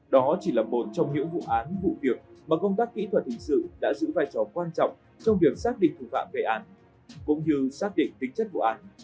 đó chỉ là một trong những vụ án vụ việc mà công tác kỹ thuật hình sự đã giữ vai trò quan trọng trong việc xác định thủ phạm gây án cũng như xác định tính chất vụ án